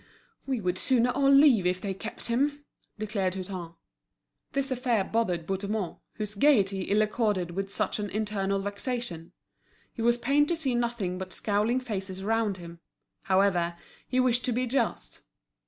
"We would sooner all leave, if they keep him," declared Hutin. This affair bothered Bouthemont, whose gaiety ill accorded with such an internal vexation. He was pained to see nothing but scowling faces around him. However, he wished to be just.